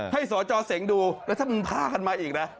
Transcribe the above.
สจเสงดูแล้วถ้ามึงพากันมาอีกนะ